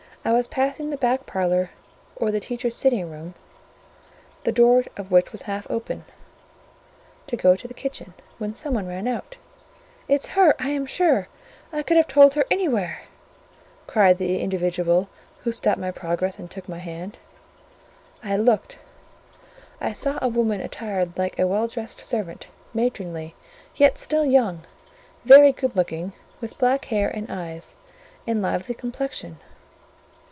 I was passing the back parlour or teachers' sitting room, the door of which was half open, to go to the kitchen, when some one ran out— "It's her, I am sure!—I could have told her anywhere!" cried the individual who stopped my progress and took my hand. I looked: I saw a woman attired like a well dressed servant, matronly, yet still young; very good looking, with black hair and eyes, and lively complexion.